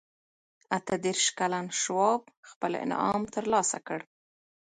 اته دېرش کلن شواب خپل انعام ترلاسه کړ.